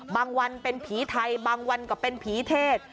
วันเป็นผีไทยบางวันก็เป็นผีเทศ